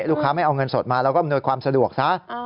ให้มีความสะดวกซะ